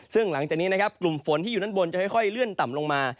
ซึ่งหลังจากนี้นะครับกลุ่มฝนที่อยู่ด้านบนจะค่อยเลื่อนต่ำลงมา